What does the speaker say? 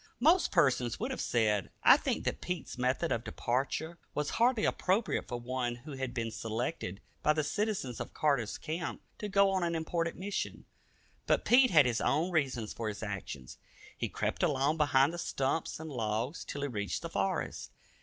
Most persons would have said, I think, that Pete's method of departure was hardly appropriate for one who had been selected by the citizens of Carter's Camp to go on an important mission. But Pete had his own reasons for his actions. He crept along behind the stumps and logs till he reached the forest.